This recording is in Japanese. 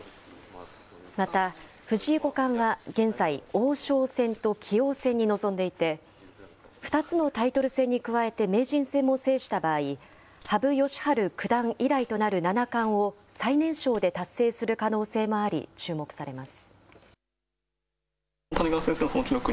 また、藤井五冠は現在、王将戦と棋王戦に臨んでいて、２つのタイトル戦に加えて名人戦も制した場合、羽生善治九段以来となる七冠を最年少で達成する可能性もあり、注目されます。